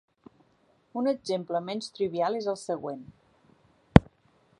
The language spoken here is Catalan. Un exemple menys trivial és el següent.